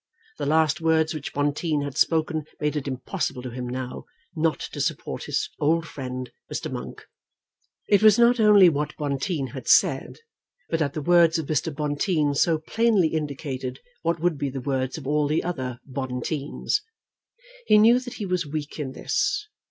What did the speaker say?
The last words which Bonteen had spoken made it impossible to him now not to support his old friend Mr. Monk. It was not only what Bonteen had said, but that the words of Mr. Bonteen so plainly indicated what would be the words of all the other Bonteens. He knew that he was weak in this.